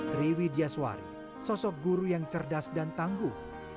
teri widyaswari sosok guru yang cerdas dan tangguh